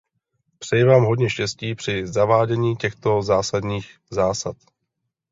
Přeji vám hodně štěstí při zavádění těchto zásadních zásad.